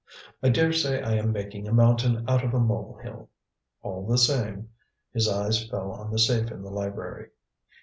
"I daresay I am making a mountain out of a mole hill. All the same" his eyes fell on the safe in the library.